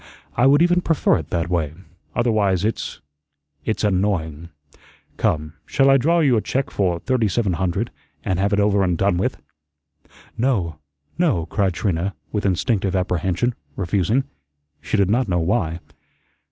I would even prefer it that way. Otherwise it's it's annoying. Come, shall I draw you a check for thirty seven hundred, and have it over and done with?" "No, no," cried Trina, with instinctive apprehension, refusing, she did not know why.